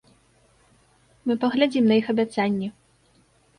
Мы паглядзім на іх абяцанні.